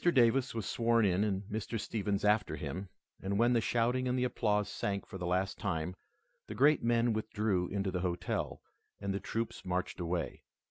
Davis was sworn in and Mr. Stephens after him, and when the shouting and applause sank for the last time, the great men withdrew into the hotel, and the troops marched away.